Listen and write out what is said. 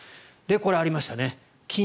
これ、ありましたね、金。